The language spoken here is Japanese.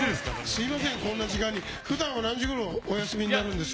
すみません、こんな時間に。ふだんは何時ごろお休みになるんですか。